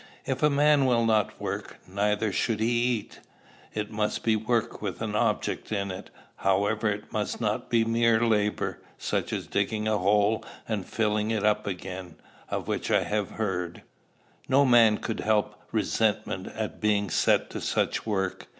If a man will not work, neither should he eat. It must be work with an object in it, however: it must not be mere labor, such as digging a hole and filling it up again, of which I have heard. No man could help resentment at being set to such work.